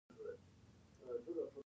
د مغز سکته فلج لامل کیږي